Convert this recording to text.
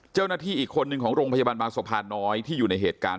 เจ้าหน้าที่อีกคนนึงของโรงพยาบาลบางสะพานน้อยที่อยู่ในเหตุการณ์